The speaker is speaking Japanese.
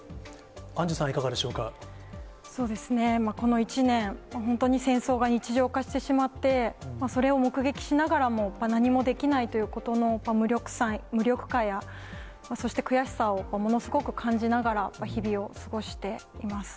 アンジュさん、いかがでしょそうですね、この１年、本当に戦争が日常化してしまって、それを目撃しながらも何もできないということの無力感や、そして悔しさをものすごく感じながら、日々を過ごしています。